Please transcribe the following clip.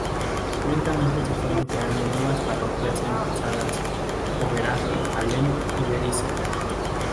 Lentamente se fueron creando nuevas parroquias en Posadas, Oberá, Alem y Berisso.